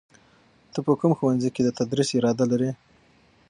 ته په کوم ښوونځي کې د تدریس اراده لرې؟